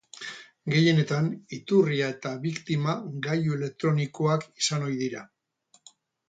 Gehienetan, iturria eta biktima gailu elektronikoak izan ohi dira.